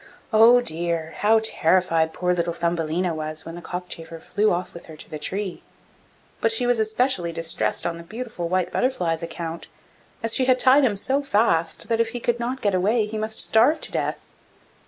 Oh, dear! how terrified poor little Thumbelina was when the cockchafer flew off with her to the tree! But she was especially distressed on the beautiful white butterfly's account, as she had tied him fast, so that if he could not get away he must starve to death.